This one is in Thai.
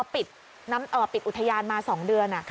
ปิดอุทยานมา๒เดือน